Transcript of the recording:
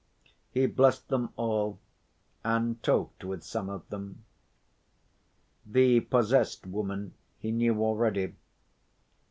He blessed them all and talked with some of them. The "possessed" woman he knew already.